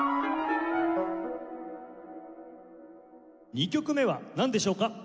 ２曲目はなんでしょうか？